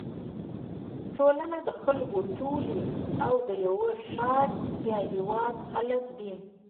ټولنه د خلکو ټولی او د یوه ښار یا هېواد خلک دي.